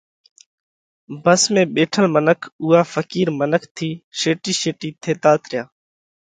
ڀس ۾ ٻيٺل منک اُوئا ڦقِير منک ٿِي شيٽِي شيٽِي ٿيتات ريا،